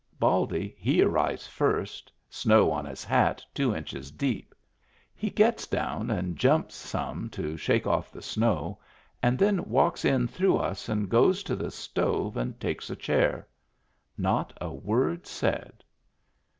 Baldy he arrives first, snow on his hat two inches deep. He gets down and jumps some to shake off the snow, and then walks in through us and goes to the stove and takes a chair. Not a word said.